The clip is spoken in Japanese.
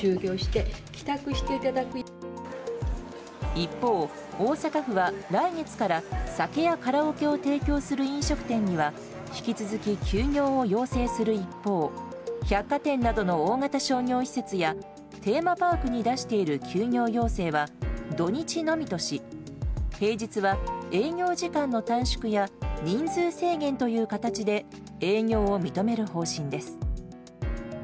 一方、大阪府は来月から酒やカラオケを提供する飲食店には引き続き休業を要請する一方百貨店などの大型商業施設やテーマパークに出している休業要請は土日のみとし平日は営業時間の短縮や人数制限という形で営業を認める方針です。